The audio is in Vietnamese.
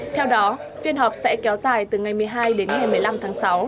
theo đó phiên họp sẽ kéo dài từ ngày một mươi hai đến ngày một mươi năm tháng sáu